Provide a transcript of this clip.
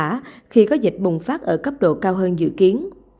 bộ phòng chống dịch bùng phát ở cấp độ cao hơn dự kiến